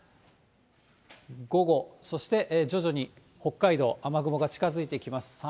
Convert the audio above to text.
午後、そして徐々に北海道、雨雲が近づいてきます。